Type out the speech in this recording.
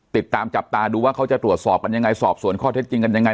ติดตามจับตาดูว่าเขาจะตรวจสอบกันยังไงสอบสวนข้อเท็จจริงกันยังไง